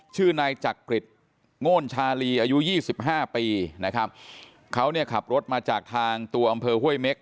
ชื่อนายจักริดโง่นชาลีอายุ๒๕ปีนะครับเขาขับรถมาจากทางตัวอำเภอห้วยเม็ก